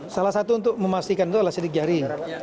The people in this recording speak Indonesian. salah satu untuk memastikan itu adalah sidik jari